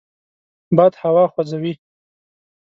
باد هوا خوځوي